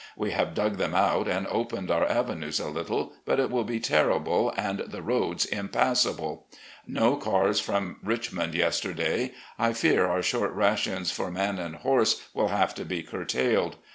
We have dug them out and opened our avenues a little, but it will be terrible and the roads impassable. No cars from Richmond yesterday. I fear our short rations for man and horse will have to ^ curtailed.